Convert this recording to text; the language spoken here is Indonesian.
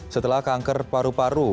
setelah kanker paru paru